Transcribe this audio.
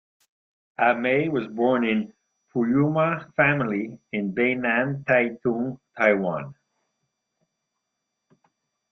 A-mei was born in a Puyuma family in Beinan, Taitung, Taiwan.